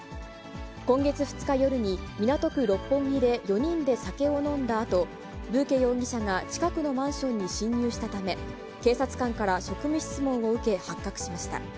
今月２日夜に、港区六本木で４人で酒を飲んだあと、ブーケ容疑者が近くのマンションに侵入したため、警察官から職務質問を受け、発覚しました。